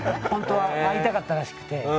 本当は会いたかったらしくて。